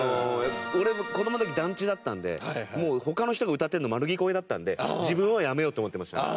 俺子供の時団地だったんでもう他の人が歌ってるの丸聞こえだったんで自分はやめようって思ってました。